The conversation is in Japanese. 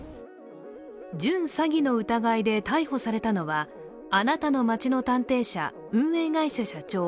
準詐欺の疑いで逮捕されたのはあなたの街の探偵社運営会社社長